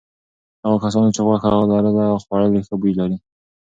هغو کسانو چې غوښه لږه خوړلي ښه بوی لري.